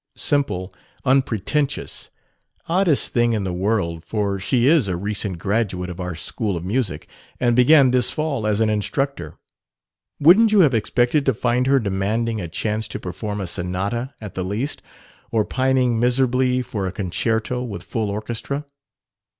Simple, unpretentious: oddest thing in the world, for she is a recent graduate of our school of music and began this fall as an instructor. Wouldn't you have expected to find her demanding a chance to perform a sonata at the least, or pining miserably for a concerto with full orchestra?